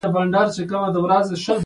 په زړه کې داسې آرزو ځای نه شي ورکولای.